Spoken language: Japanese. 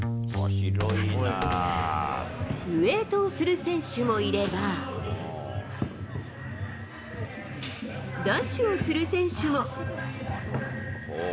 ウエートをする選手もいれば、ダッシュをする選手も。